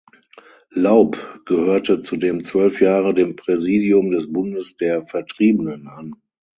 Laub gehörte zudem zwölf Jahre dem Präsidium des Bundes der Vertriebenen an.